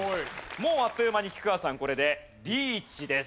もうあっという間に菊川さんこれでリーチです。